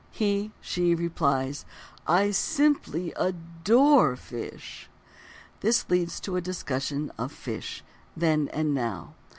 She (he) replies: "I simply adore fish." This leads to a discussion of: Fish—Then, and Now.